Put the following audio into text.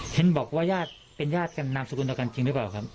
เห็นบอกว่าญาติเป็นญาติกันนามสกุลต่อกันจริงหรือเปล่าครับ